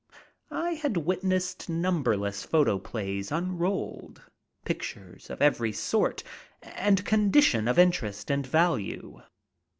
I hail witnessed numberless photoplays unrolled, pictures of every sort and con dition of interest and value.